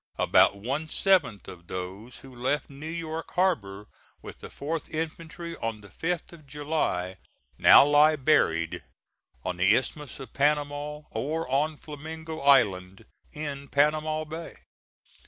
About one seventh of those who left New York harbor with the 4th infantry on the 5th of July, now lie buried on the Isthmus of Panama or on Flamingo island in Panama Bay.